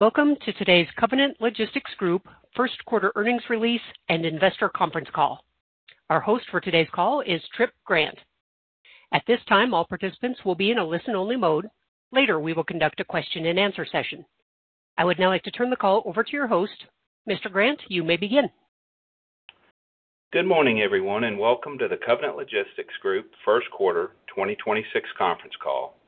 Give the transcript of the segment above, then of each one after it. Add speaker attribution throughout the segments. Speaker 1: Welcome to today's Covenant Logistics Group first quarter earnings release and investor conference call. Our host for today's call is Tripp Grant. At this time, all participants will be in a listen-only mode. Later, we will conduct a question and answer session. I would now like to turn the call over to your host. Mr. Grant, you may begin.
Speaker 2: Good morning, everyone, and welcome to the Covenant Logistics Group First Quarter 2026 conference call.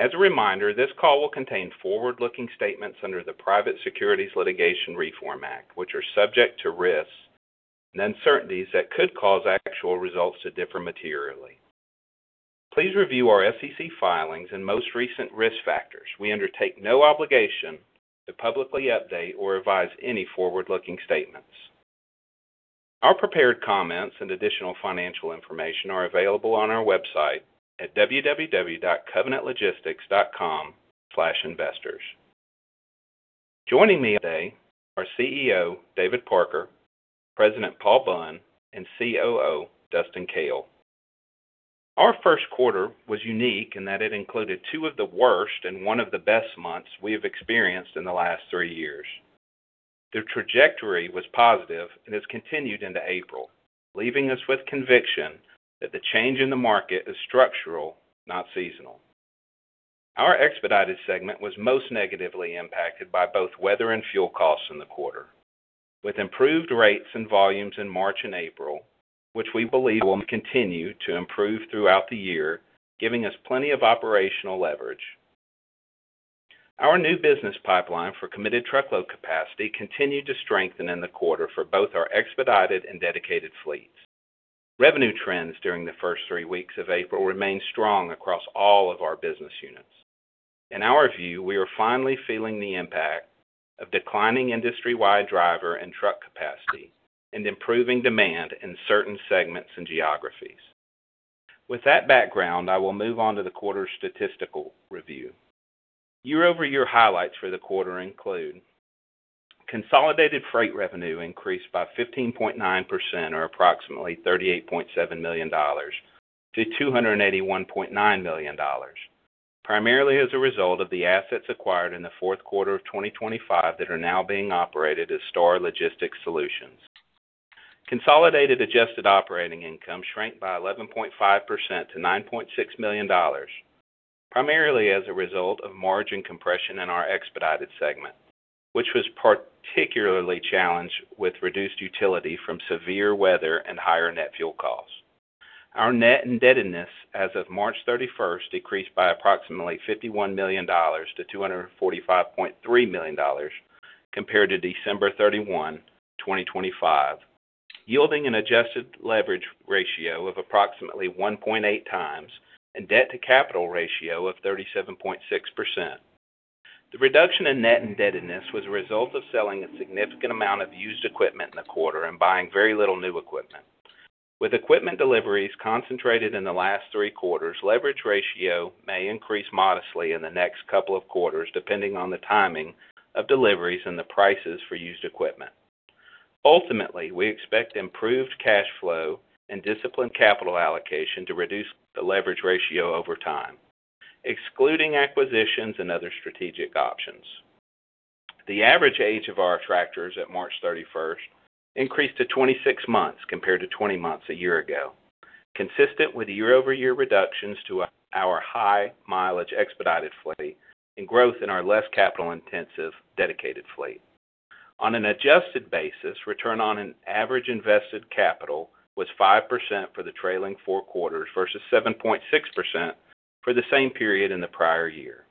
Speaker 2: As a reminder, this call will contain forward-looking statements under the Private Securities Litigation Reform Act, which are subject to risks and uncertainties that could cause actual results to differ materially. Please review our SEC filings and most recent risk factors. We undertake no obligation to publicly update or revise any forward-looking statements. Our prepared comments and additional financial information are available on our website at www.covenantlogistics.com/investors. Joining me today are CEO David Parker, President Paul Bunn, and COO Dustin Koehl. Our first quarter was unique in that it included two of the worst and one of the best months we have experienced in the last three years. The trajectory was positive and has continued into April, leaving us with conviction that the change in the market is structural, not seasonal. Our Expedited segment was most negatively impacted by both weather and fuel costs in the quarter. With improved rates and volumes in March and April, which we believe will continue to improve throughout the year, giving us plenty of operational leverage. Our new business pipeline for committed truckload capacity continued to strengthen in the quarter for both our Expedited and Dedicated fleets. Revenue trends during the first three weeks of April remained strong across all of our business units. In our view, we are finally feeling the impact of declining industry-wide driver and truck capacity and improving demand in certain segments and geographies. With that background, I will move on to the quarter statistical review. Year-over-year highlights for the quarter include consolidated freight revenue increased by 15.9% or approximately $38.7 million to $281.9 million, primarily as a result of the assets acquired in the fourth quarter of 2025 that are now being operated as Star Logistics Solutions. Consolidated adjusted operating income shrank by 11.5% to $9.6 million, primarily as a result of margin compression in our expedited segment, which was particularly challenged with reduced utility from severe weather and higher net fuel costs. Our net indebtedness as of March 31st decreased by approximately $51 million to $245.3 million compared to December 31, 2025, yielding an adjusted leverage ratio of approximately one point eight times and debt-to-capital ratio of 37.6%. The reduction in net indebtedness was a result of selling a significant amount of used equipment in the quarter and buying very little new equipment. With equipment deliveries concentrated in the last three quarters, leverage ratio may increase modestly in the next couple of quarters, depending on the timing of deliveries and the prices for used equipment. Ultimately, we expect improved cash flow and disciplined capital allocation to reduce the leverage ratio over time, excluding acquisitions and other strategic options. The average age of our tractors at March 31st increased to 26 months compared to 20 months a year ago, consistent with year-over-year reductions to our high mileage expedited fleet and growth in our less capital-intensive dedicated fleet. On an adjusted basis, return on average invested capital was five percent for the trailing four quarters versus seven point six percent for the same period in the prior year.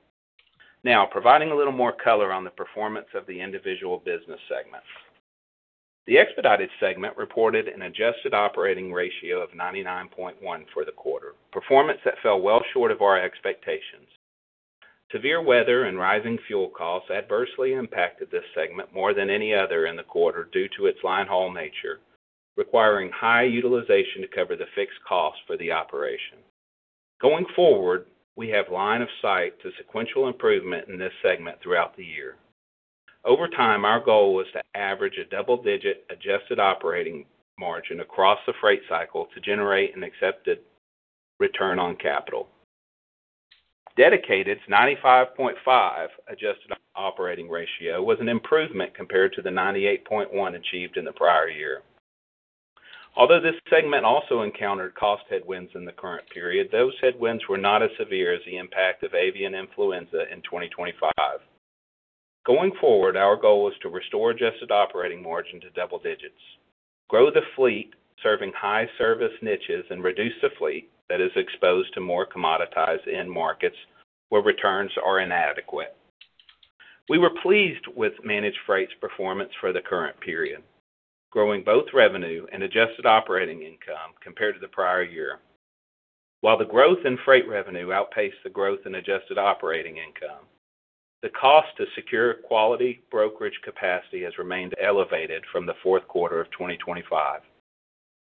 Speaker 2: Now providing a little more color on the performance of the individual business segments. The Expedited segment reported an adjusted operating ratio of 99.1% for the quarter. Performance that fell well short of our expectations. Severe weather and rising fuel costs adversely impacted this segment more than any other in the quarter due to its line haul nature, requiring high utilization to cover the fixed costs for the operation. Going forward, we have line of sight to sequential improvement in this segment throughout the year. Over time, our goal was to average a double-digit adjusted operating margin across the freight cycle to generate an accepted return on capital. Dedicated's 95.5 adjusted operating ratio was an improvement compared to the 98.1 achieved in the prior year. Although this segment also encountered cost headwinds in the current period, those headwinds were not as severe as the impact of avian influenza in 2025. Going forward, our goal is to restore adjusted operating margin to double digits, grow the fleet serving high service niches, and reduce the fleet that is exposed to more commoditized end markets where returns are inadequate. We were pleased with managed freight's performance for the current period, growing both revenue and adjusted operating income compared to the prior year. While the growth in freight revenue outpaced the growth in adjusted operating income, the cost to secure quality brokerage capacity has remained elevated from the fourth quarter of 2025.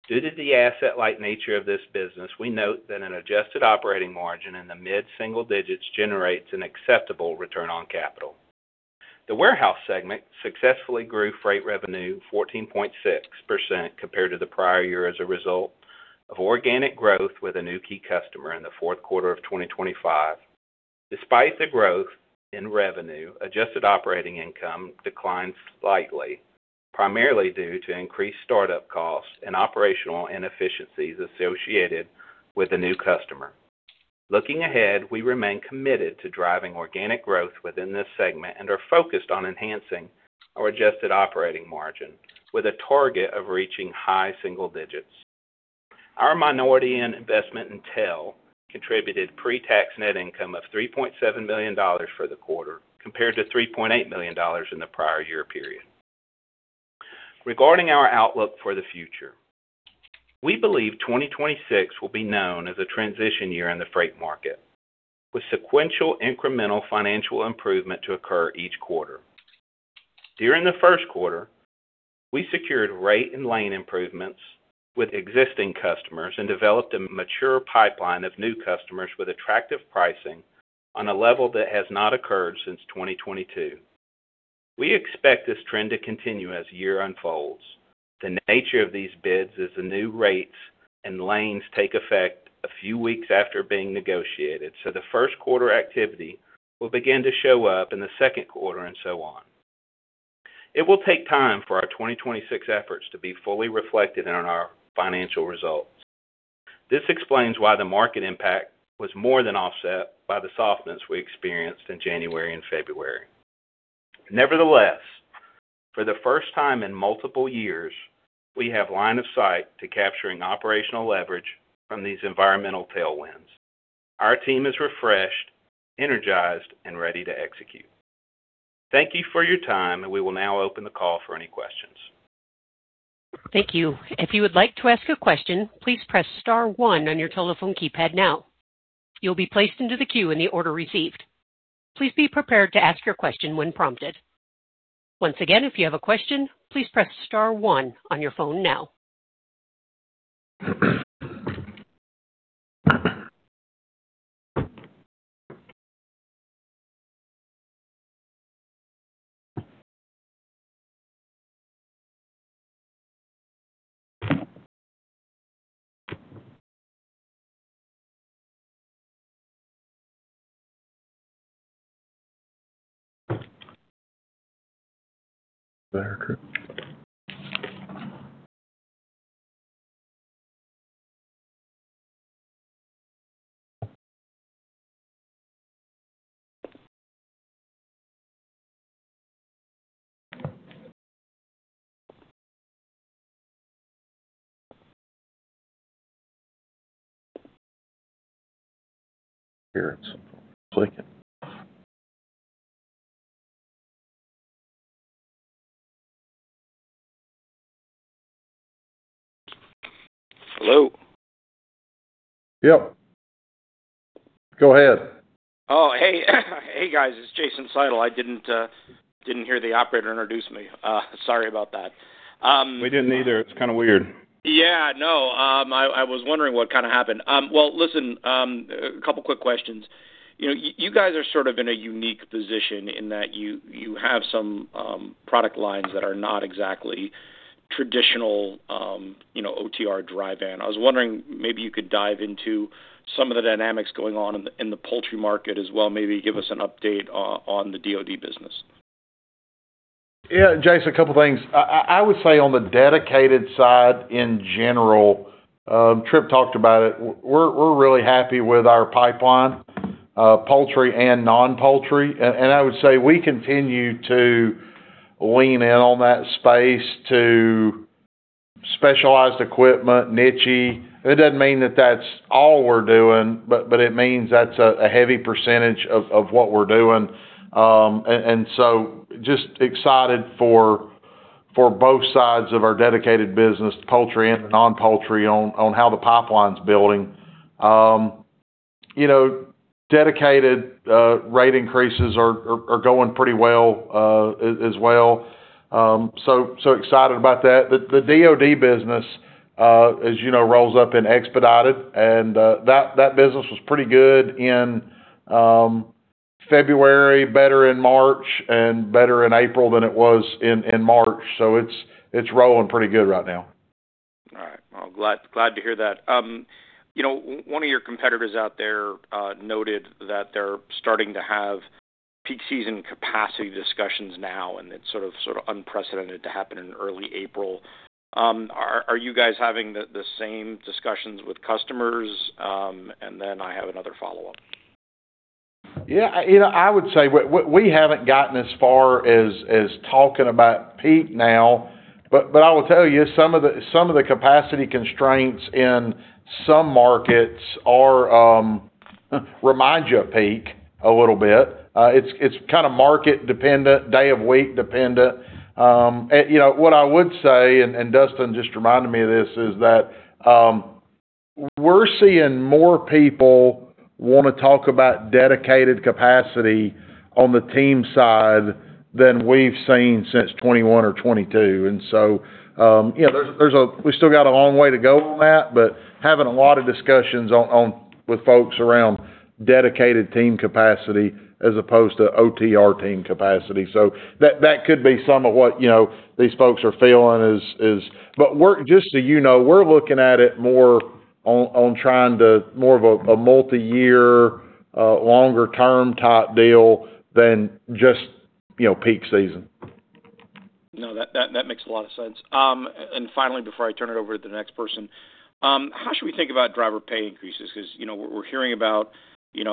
Speaker 2: Due to the asset-light nature of this business, we note that an adjusted operating margin in the mid-single digits generates an acceptable return on capital. The warehouse segment successfully grew freight revenue 14.6% compared to the prior year as a result of organic growth with a new key customer in the fourth quarter of 2025. Despite the growth in revenue, adjusted operating income declined slightly, primarily due to increased startup costs and operational inefficiencies associated with the new customer. Looking ahead, we remain committed to driving organic growth within this segment and are focused on enhancing our adjusted operating margin with a target of reaching high single digits. Our minority investment in TEL contributed pre-tax net income of $3.7 million for the quarter, compared to $3.8 million in the prior year period. Regarding our outlook for the future, we believe 2026 will be known as a transition year in the freight market, with sequential incremental financial improvement to occur each quarter. During the first quarter, we secured rate and lane improvements with existing customers and developed a mature pipeline of new customers with attractive pricing on a level that has not occurred since 2022. We expect this trend to continue as the year unfolds. The nature of these bids is the new rates and lanes take effect a few weeks after being negotiated, so the first quarter activity will begin to show up in the second quarter and so on. It will take time for our 2026 efforts to be fully reflected in our financial results. This explains why the market impact was more than offset by the softness we experienced in January and February. Nevertheless, for the first time in multiple years, we have line of sight to capturing operational leverage from these environmental tailwinds. Our team is refreshed, energized, and ready to execute. Thank you for your time, and we will now open the call for any questions.
Speaker 1: Thank you. If you would like to ask a question, please press star one on your telephone keypad now. You'll be placed into the queue in the order received. Please be prepared to ask your question when prompted. Once again, if you have a question, please press star one on your phone now.
Speaker 3: Hello?
Speaker 2: Yep. Go ahead.
Speaker 3: Oh, hey. Hey, guys, it's Jason Seidl. I didn't hear the operator introduce me. Sorry about that.
Speaker 2: We didn't either. It's kind of weird.
Speaker 3: Yeah. No. I was wondering what happened. Well, listen, a couple quick questions. You guys are sort of in a unique position in that you have some product lines that are not exactly traditional OTR dry van. I was wondering maybe you could dive into some of the dynamics going on in the poultry market as well. Maybe give us an update on the DoD business.
Speaker 4: Yeah, Jason, a couple things. I would say on the dedicated side in general, Tripp talked about it. We're really happy with our pipeline, poultry and non-poultry. I would say we continue to lean in on that space to specialized equipment, niche-y. It doesn't mean that that's all we're doing, but it means that's a heavy percentage of what we're doing. Just excited for both sides of our dedicated business, poultry and non-poultry, on how the pipeline's building. Dedicated rate increases are going pretty well, as well. Excited about that. The DoD business, as you know, rolls up in expedited, and that business was pretty good in February, better in March, and better in April than it was in March. It's rolling pretty good right now.
Speaker 3: All right. Well, glad to hear that. One of your competitors out there noted that they're starting to have peak season capacity discussions now, and it's sort of unprecedented to happen in early April. Are you guys having the same discussions with customers? I have another follow-up.
Speaker 2: Yeah. I would say we haven't gotten as far as talking about peak now, but I will tell you, some of the capacity constraints in some markets remind you of peak a little bit. It's kind of market dependent, day of week dependent. What I would say, and Dustin just reminded me of this, is that we're seeing more people want to talk about dedicated capacity on the team side than we've seen since 2021 or 2022. We still got a long way to go on that, but having a lot of discussions with folks around Dedicated team capacity as opposed to OTR team capacity. That could be some of what these folks are feeling. Just so you know, we're looking at it more on trying to more of a multi-year, longer term type deal than just peak season.
Speaker 3: No, that makes a lot of sense. Finally, before I turn it over to the next person, how should we think about driver pay increases? Because we're hearing about a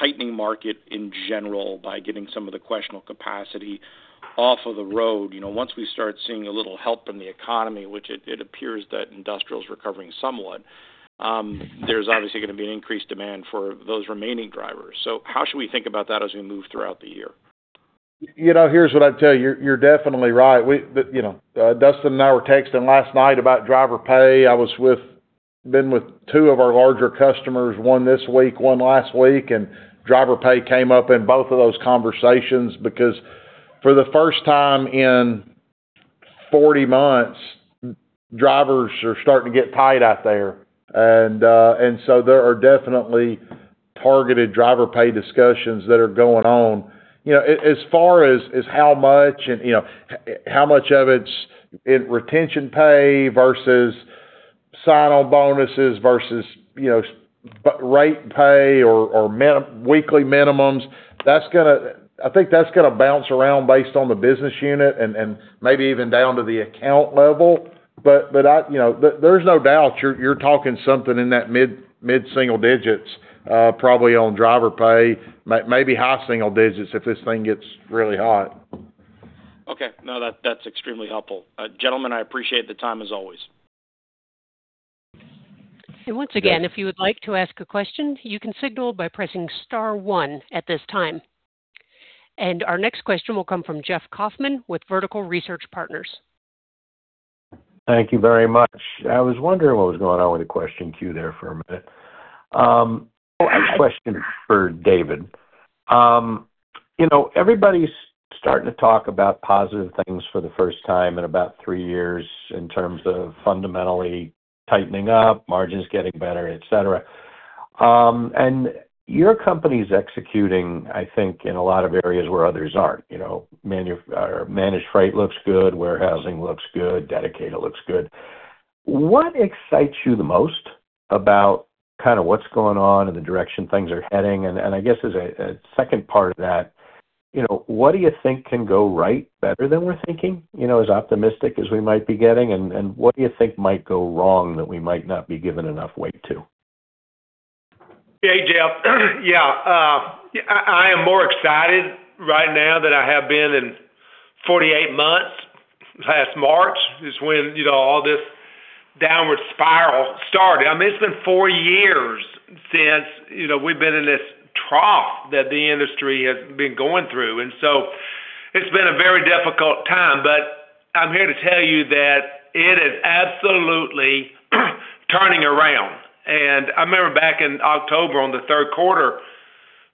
Speaker 3: tightening market in general by getting some of the questionable capacity off of the road. Once we start seeing a little help in the economy, which it appears that industrial is recovering somewhat, there's obviously going to be an increased demand for those remaining drivers. How should we think about that as we move throughout the year?
Speaker 4: Here's what I'd tell you. You're definitely right. Dustin and I were texting last night about driver pay. I was with two of our larger customers, one this week, one last week, and driver pay came up in both of those conversations, because for the first time in 40 months, drivers are starting to get tight out there. There are definitely targeted driver pay discussions that are going on. As far as how much of it's retention pay versus sign-on bonuses versus rate pay or weekly minimums, I think that's going to bounce around based on the business unit and maybe even down to the account level. There's no doubt you're talking something in that mid-single digits probably on driver pay, maybe high single digits if this thing gets really hot.
Speaker 3: Okay. No, that's extremely helpful. Gentlemen, I appreciate the time as always.
Speaker 1: Once again, if you would like to ask a question, you can signal by pressing star one at this time. Our next question will come from Jeff Kauffman with Vertical Research Partners.
Speaker 5: Thank you very much. I was wondering what was going on with the question queue there for a minute. Question for David. Everybody's starting to talk about positive things for the first time in about three years in terms of fundamentally tightening up, margins getting better, et cetera. Your company's executing, I think, in a lot of areas where others aren't. Managed freight looks good, warehousing looks good, dedicated looks good. What excites you the most about what's going on and the direction things are heading? I guess as a second part of that, what do you think can go right better than we're thinking, as optimistic as we might be getting, and what do you think might go wrong that we might not be giving enough weight to?
Speaker 4: Hey, Jeff. Yeah. I am more excited right now than I have been in 48 months. Last March is when all this downward spiral started. It's been four years since we've been in this trough that the industry has been going through, and so it's been a very difficult time, but I'm here to tell you that it is absolutely turning around. I remember back in October on the third quarter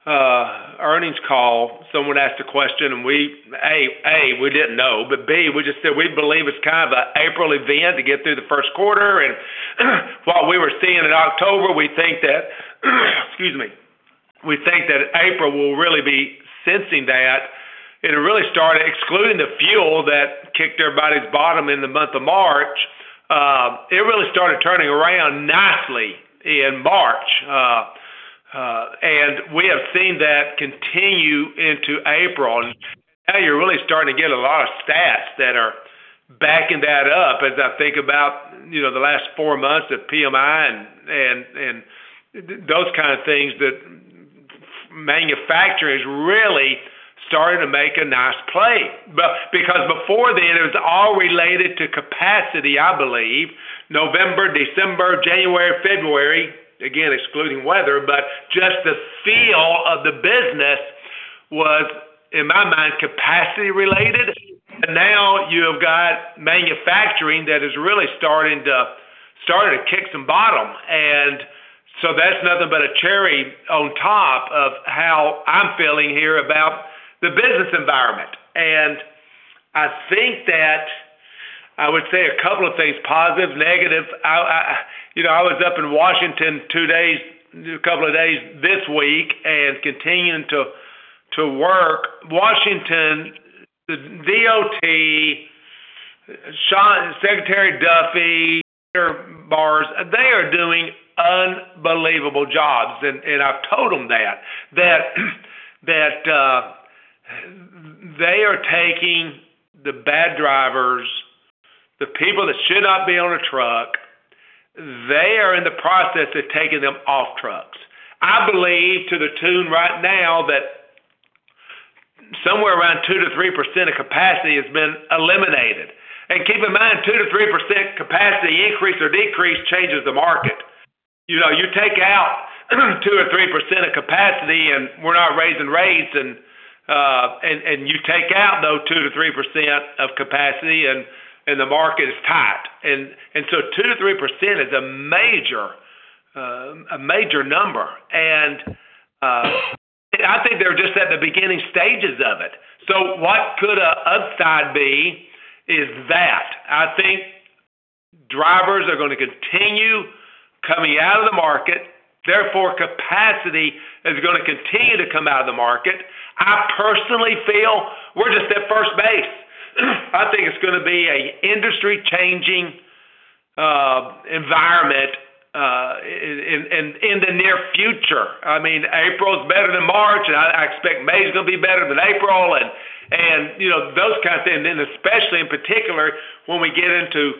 Speaker 4: earnings call, someone asked a question, and A, we didn't know, but B, we just said we believe it's an April event to get through the first quarter. What we were seeing in October, excuse me, we think that April will really be sensing that. It really started, excluding the fuel that kicked everybody's bottom in the month of March, it really started turning around nicely in March. We have seen that continue into April. Now you're really starting to get a lot of stats that are backing that up as I think about the last four months of PMI and those kind of things that manufacturers really starting to make a nice play. Because before then, it was all related to capacity, I believe. November, December, January, February, again, excluding weather, but just the feel of the business was, in my mind, capacity-related. Now you have got manufacturing that is really starting to kick some bottom. That's nothing but a cherry on top of how I'm feeling here about the business environment. I think that I would say a couple of things, positive, negative. I was up in Washington a couple of days this week and continuing to work. Washington, the DOT, Secretary Duffy, Secretary Barrs, they are doing unbelievable jobs, and I've told them that, they are taking the bad drivers, the people that should not be on a truck, they are in the process of taking them off trucks. I believe to the tune right now that somewhere around two to three percent of capacity has been eliminated. Keep in mind, two to three percent capacity increase or decrease changes the market. You take out two or three percent of capacity and we're not raising rates and you take out that two to three percent of capacity and the market is tight. Two to three percent percentage is a major number. Beginning stages of it. What could an upside be is that I think drivers are going to continue coming out of the market, therefore capacity is going to continue to come out of the market. I personally feel we're just at first base. I think it's going to be an industry-changing environment in the near future. April's better than March, and I expect May's going to be better than April, and those kinds of things. Then especially, in particular, when we get into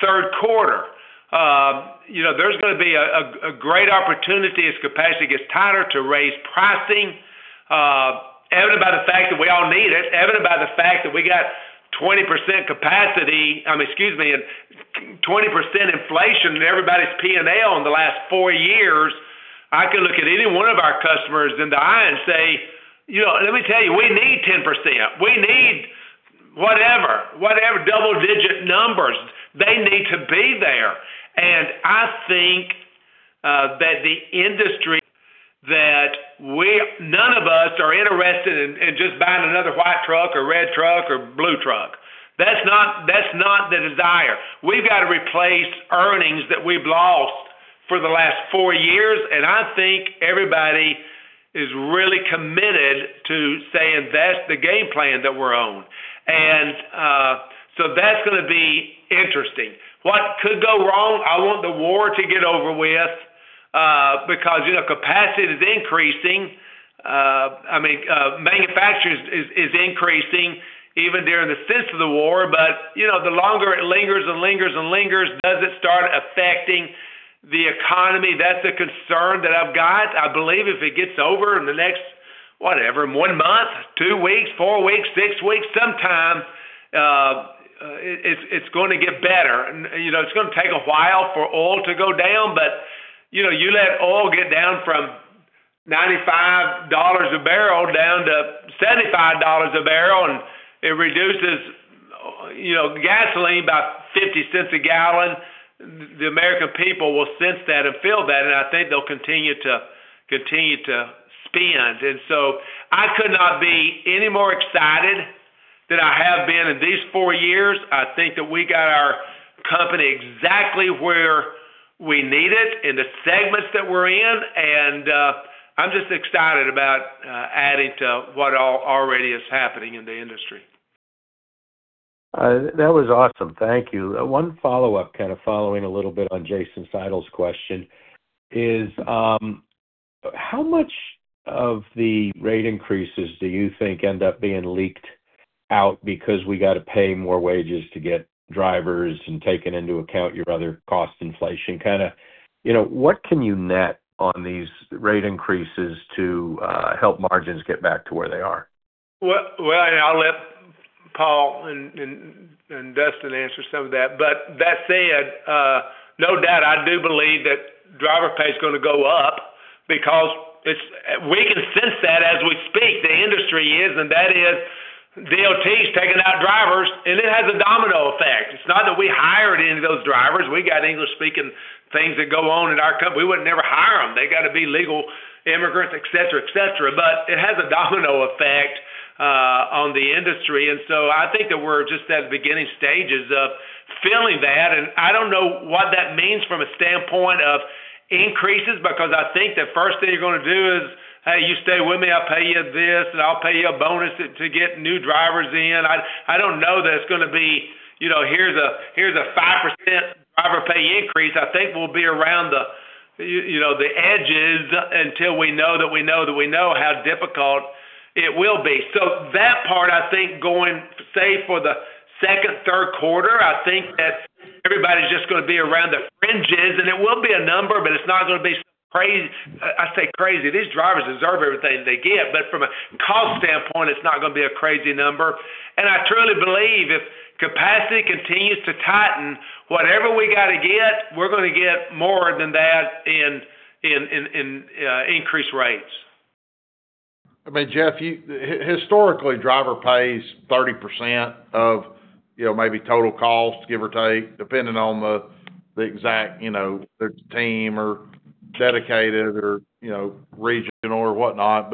Speaker 4: third quarter. There's going to be a great opportunity as capacity gets tighter to raise pricing, evident by the fact that we all need it, evident by the fact that we got 20% inflation in everybody's P&L in the last four years. I could look at any one of our customers in the eye and say, "Let me tell you, we need 10%. We need whatever double-digit numbers." They need to be there. I think that none of us are interested in just buying another white truck or red truck or blue truck. That's not the desire. We've got to replace earnings that we've lost for the last four years, and I think everybody is really committed to saying that's the game plan that we're on. That's going to be interesting. What could go wrong? I want the war to get over with, because capacity is increasing. Manufacturing is increasing even during the sense of the war. The longer it lingers and lingers and lingers, does it start affecting the economy? That's a concern that I've got. I believe if it gets over in the next, whatever, one month, two weeks, four weeks, six weeks, sometime, it's going to get better. It's going to take a while for oil to go down, but you let oil get down from $95 a barrel down to $75 a barrel, and it reduces gasoline about $0.50 a gallon. The American people will sense that and feel that, and I think they'll continue to spend. I could not be any more excited than I have been in these four years. I think that we got our company exactly where we need it in the segments that we're in, and I'm just excited about adding to what already is happening in the industry.
Speaker 5: That was awesome. Thank you. One follow-up, kind of following a little bit on Jason Seidl's question is, how much of the rate increases do you think end up being leaked out because we got to pay more wages to get drivers and taking into account your other cost inflation? What can you net on these rate increases to help margins get back to where they are?
Speaker 4: Well, I'll let Paul and Dustin answer some of that. That said, no doubt, I do believe that driver pay is going to go up because we can sense that as we speak, the industry is, and that is DOT is taking out drivers, and it has a domino effect. It's not that we hired any of those drivers. We got English-speaking things that go on in our company. We would never hire them. They got to be legal immigrants, et cetera. It has a domino effect on the industry, and so I think that we're just at the beginning stages of feeling that. I don't know what that means from a standpoint of increases, because I think the first thing you're going to do is, "Hey, you stay with me, I'll pay you this, and I'll pay you a bonus to get new drivers in." I don't know that it's going to be, here's a five percent driver pay increase. I think we'll be around the edges until we know that we know how difficult it will be. That part, I think, going say for the second, third quarter, I think that everybody's just going to be around the fringes, and it will be a number, but it's not going to be crazy. I say crazy. These drivers deserve everything they get. From a cost standpoint, it's not going to be a crazy number. I truly believe if capacity continues to tighten, whatever we got to get, we're going to get more than that in increased rates.
Speaker 2: Jeff, historically, driver pays 30% of maybe total cost, give or take, depending on the exact team or dedicated or regional or whatnot.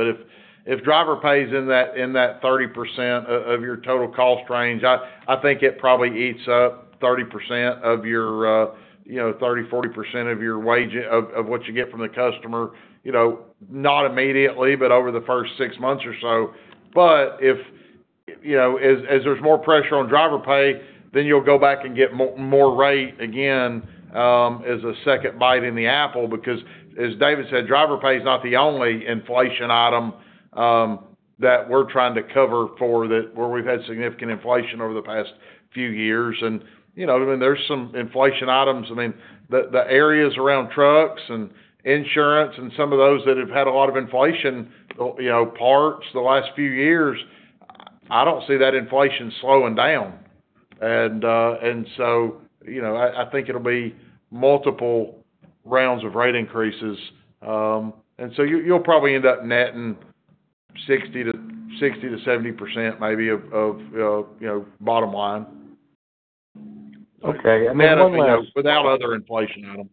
Speaker 2: If driver pays in that 30% of your total cost range, I think it probably eats up 30%, 40% of what you get from the customer, not immediately, but over the first six months or so. As there's more pressure on driver pay, then you'll go back and get more rate again as a second bite in the apple, because as David said, driver pay is not the only inflation item that we're trying to cover for where we've had significant inflation over the past few years. There's some inflation items. The areas around trucks and insurance and some of those that have had a lot of inflation, parts the last few years, I don't see that inflation slowing down. I think it'll be multiple rounds of rate increases. You'll probably end up netting 60%-70% maybe of bottom line.
Speaker 5: Okay. One last
Speaker 4: Without other inflation items.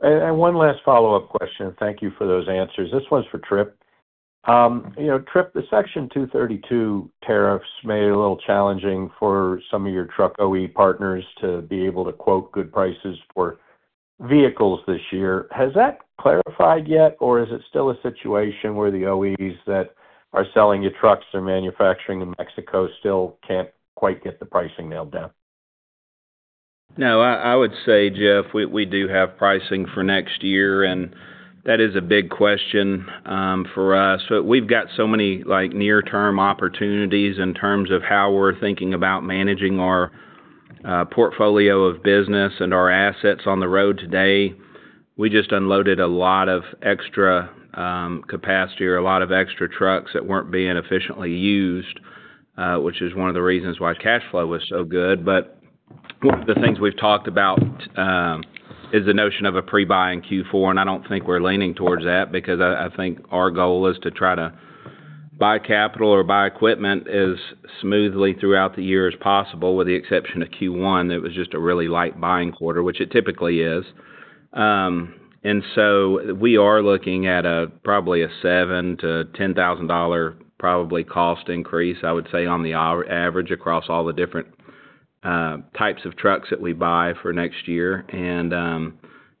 Speaker 5: One last follow-up question. Thank you for those answers. This one's for Tripp. Tripp, the Section 232 tariffs made it a little challenging for some of your truck OEM partners to be able to quote good prices for vehicles this year. Has that clarified yet, or is it still a situation where the OEMs that are selling you trucks or manufacturing in Mexico still can't quite get the pricing nailed down?
Speaker 2: No, I would say, Jeff, we do have pricing for next year, and that is a big question for us. We've got so many near-term opportunities in terms of how we're thinking about managing our portfolio of business and our assets on the road today. We just unloaded a lot of extra capacity or a lot of extra trucks that weren't being efficiently used, which is one of the reasons why cash flow was so good. The things we've talked about is the notion of a pre-buy in Q4, and I don't think we're leaning towards that because I think our goal is to try to buy capital or buy equipment as smoothly throughout the year as possible, with the exception of Q1. That was just a really light buying quarter, which it typically is. We are looking at probably a $7,000-$10,000 probably cost increase, I would say, on the average across all the different types of trucks that we buy for next year.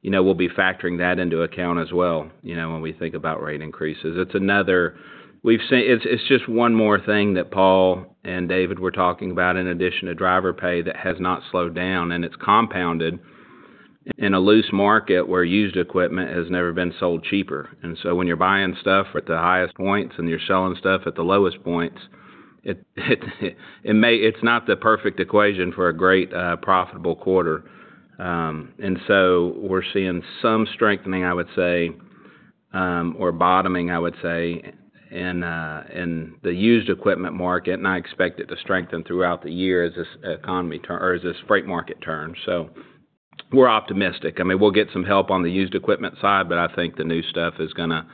Speaker 2: We'll be factoring that into account as well when we think about rate increases. It's just one more thing that Paul and David were talking about in addition to driver pay that has not slowed down, and it's compounded in a loose market where used equipment has never been sold cheaper. When you're buying stuff at the highest points and you're selling stuff at the lowest points, it's not the perfect equation for a great profitable quarter. We're seeing some strengthening, I would say, or bottoming, I would say, in the used equipment market, and I expect it to strengthen throughout the year as this freight market turns. We're optimistic. We'll get some help on the used equipment side, but I think the new stuff is going to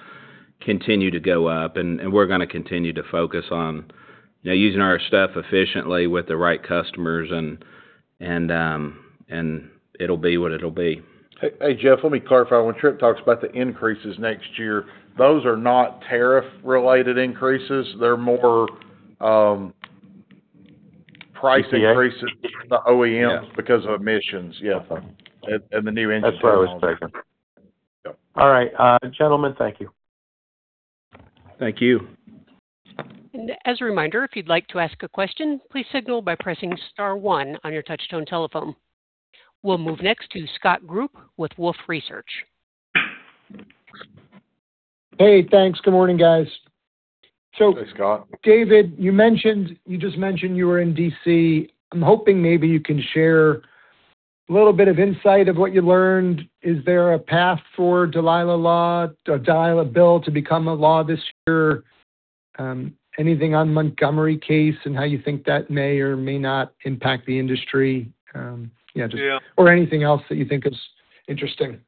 Speaker 2: continue to go up, and we're going to continue to focus on using our stuff efficiently with the right customers, and it'll be what it'll be.
Speaker 4: Hey, Jeff, let me clarify. When Tripp talks about the increases next year, those are not tariff-related increases. They're more price increases. from the OEMs because of emissions. Yeah.
Speaker 5: That's what I was thinking.
Speaker 2: Yeah.
Speaker 5: All right. Gentlemen, thank you.
Speaker 2: Thank you.
Speaker 1: As a reminder, if you'd like to ask a question, please signal by pressing star one on your touchtone telephone. We'll move next to Scott Group with Wolfe Research.
Speaker 6: Hey, thanks. Good morning, guys.
Speaker 4: Hey, Scott.
Speaker 6: David, you just mentioned you were in D.C. I'm hoping maybe you can share a little bit of insight of what you learned. Is there a path for Dalilah's Law to become a law this year? Anything on Montgomery case and how you think that may or may not impact the industry?
Speaker 4: Yeah.
Speaker 6: Anything else that you think is interesting.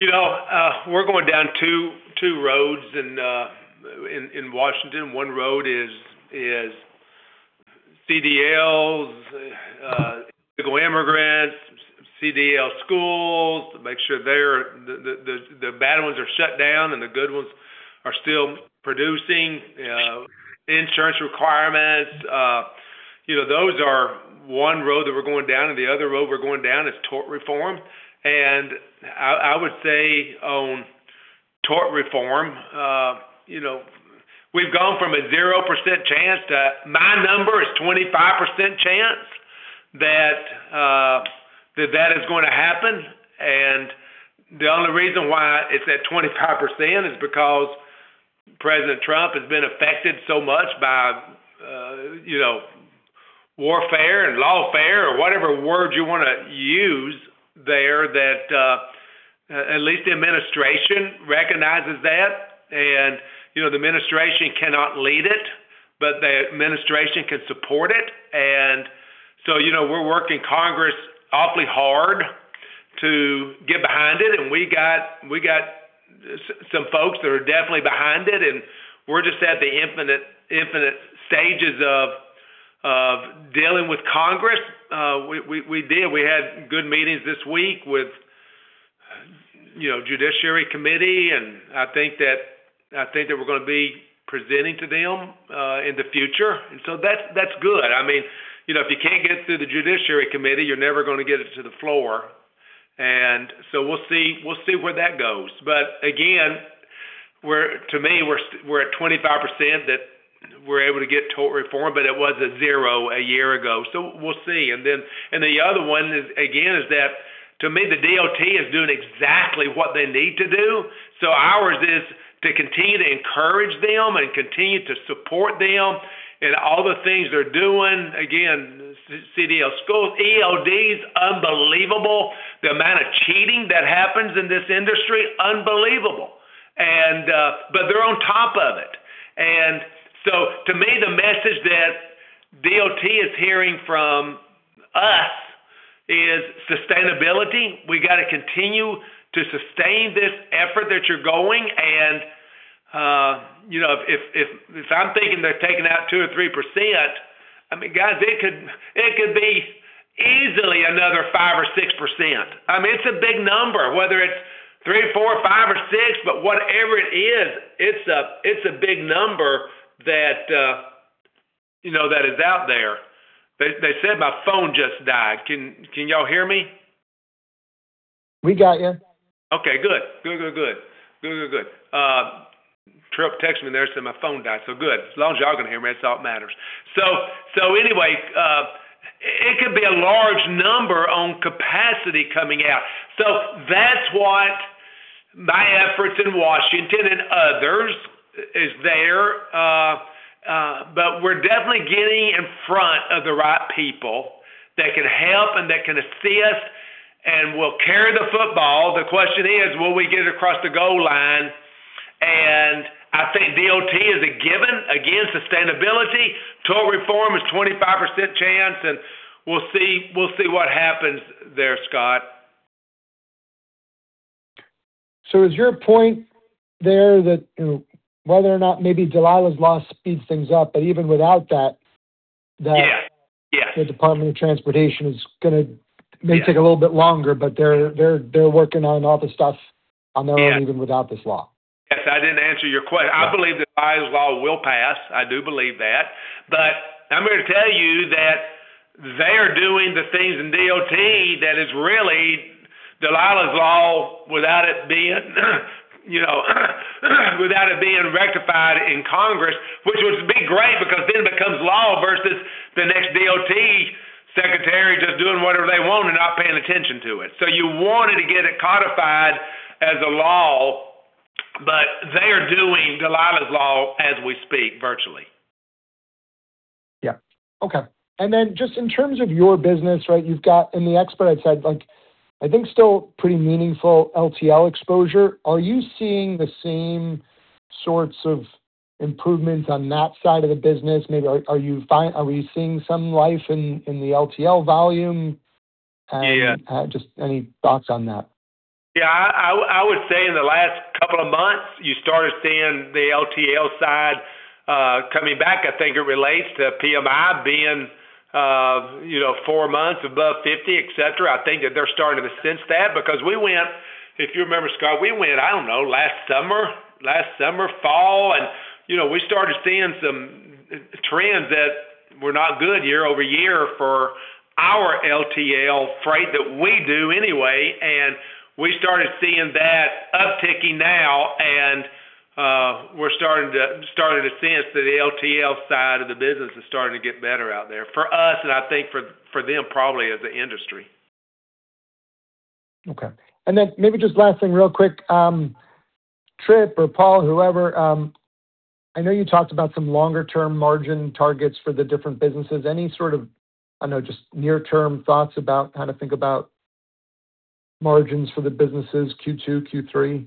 Speaker 4: We're going down two roads in Washington. One road is CDLs, illegal immigrants, CDL schools, make sure the bad ones are shut down and the good ones are still producing, insurance requirements. Those are one road that we're going down, and the other road we're going down is tort reform. I would say on tort reform, we've gone from a zero percent chance to my number is 25% chance that that is going to happen. The only reason why it's at 25% is because President Trump has been affected so much by warfare and lawfare or whatever word you want to use there that at least the administration recognizes that. The administration cannot lead it, but the administration can support it. We're working Congress awfully hard to get behind it. We got some folks that are definitely behind it, and we're just at the infant stages of dealing with Congress. We did. We had good meetings this week with Judiciary Committee, and I think that we're going to be presenting to them in the future. That's good. If you can't get through the Judiciary Committee, you're never going to get it to the floor. We'll see where that goes. Again, to me, we're at 25% that we're able to get tort reform, but it was at 0% a year ago. We'll see. The other one is, again, is that to me, the DOT is doing exactly what they need to do. Ours is to continue to encourage them and continue to support them in all the things they're doing. Again, CDL schools, ELDs, unbelievable. The amount of cheating that happens in this industry is unbelievable. They're on top of it. To me, the message that DOT is hearing from us is sustainability. We got to continue to sustain this effort that you're going. If I'm thinking they're taking out two or three percent, guys, it could be easily another five or six percent. It's a big number, whether it's three or four, five or six percent, but whatever it is, it's a big number that is out there. They said my phone just died. Can y'all hear me?
Speaker 6: We got you.
Speaker 4: Okay, good. Tripp text me there, said my phone died, so good. As long as y'all can hear me, that's all that matters. Anyway, it could be a large number on capacity coming out. That's what my efforts in Washington and others is there. We're definitely getting in front of the right people that can help and that can assist and will carry the football. The question is, will we get it across the goal line? I think DOT is a given. Again, sustainability, tort reform is 25% chance, and we'll see what happens there, Scott.
Speaker 6: Is your point there that whether or not maybe Dalilah's Law speeds things up, but even without that?
Speaker 4: Yeah
Speaker 6: The Department of Transportation may take a little bit longer, but they're working on all this stuff on their own even without this law.
Speaker 4: Yes. I didn't answer your question. I believe that Dalilah's Law will pass. I do believe that. I'm here to tell you that they are doing the things in DOT that is really Dalilah's Law without it being rectified in Congress, which would be great because then it becomes law versus the next DOT secretary just doing whatever they want and not paying attention to it. You wanted to get it codified as a law, but they are doing Dalilah's Law as we speak, virtually.
Speaker 6: Yeah. Okay. Just in terms of your business, you've got, in the expedited, as I've said, I think still pretty meaningful LTL exposure. Are you seeing the same sorts of improvements on that side of the business? Maybe are we seeing some life in the LTL volume?
Speaker 4: Yeah.
Speaker 6: Just any thoughts on that?
Speaker 4: Yeah. I would say in the last couple of months, you started seeing the LTL side coming back. I think it relates to PMI being four months above 50, et cetera. I think that they're starting to sense that because we went, if you remember, Scott, I don't know, last summer, fall, and we started seeing some trends that were not good year-over-year for our LTL freight that we do anyway. We started seeing that upticking now, and we're starting to sense that the LTL side of the business is starting to get better out there for us, and I think for them, probably as the industry.
Speaker 6: Okay. Maybe just last thing real quick. Tripp or Paul, whoever, I know you talked about some longer term margin targets for the different businesses. Any sort of near-term thoughts about how to think about margins for the businesses Q2, Q3?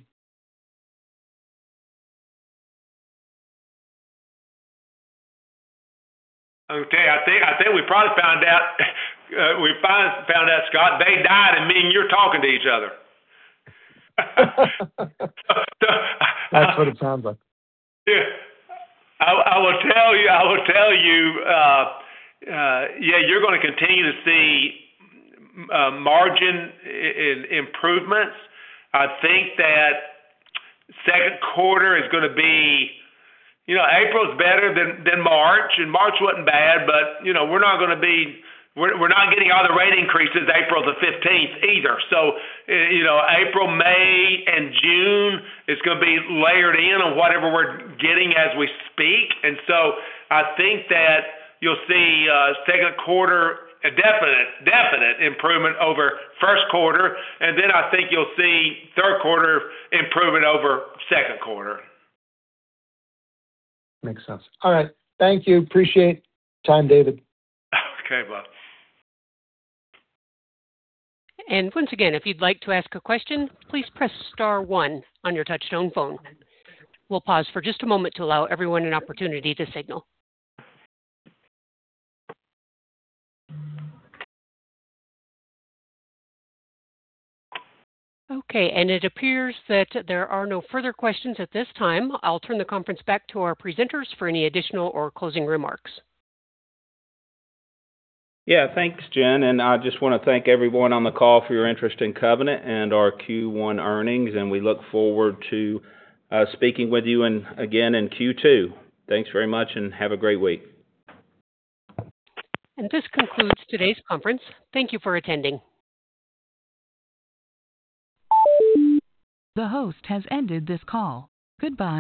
Speaker 4: Okay. I think we probably found out, Scott, they died and me and you are talking to each other.
Speaker 6: That's what it sounds like.
Speaker 4: Yeah. I will tell you, yeah, you're going to continue to see margin improvements. I think that second quarter is going to be. April is better than March, and March wasn't bad, but we're not getting all the rate increases April the 15th either. April, May, and June is going to be layered in on whatever we're getting as we speak. I think that you'll see second quarter a definite improvement over first quarter, and then I think you'll see third quarter improvement over second quarter.
Speaker 6: Makes sense. All right. Thank you. Appreciate the time, David.
Speaker 4: Okay, bud.
Speaker 1: Once again, if you'd like to ask a question, please press star one on your touchtone phone. We'll pause for just a moment to allow everyone an opportunity to signal. Okay, it appears that there are no further questions at this time. I'll turn the conference back to our presenters for any additional or closing remarks.
Speaker 4: Yeah. Thanks, Jen, and I just want to thank everyone on the call for your interest in Covenant and our Q1 earnings, and we look forward to speaking with you again in Q2. Thanks very much and have a great week.
Speaker 1: This concludes today's conference. Thank you for attending. The host has ended this call. Goodbye.